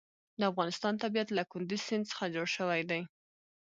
د افغانستان طبیعت له کندز سیند څخه جوړ شوی دی.